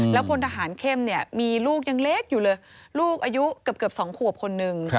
พลทหารเข้มเนี่ยมีลูกยังเล็กอยู่เลยลูกอายุเกือบ๒ขวบคนหนึ่ง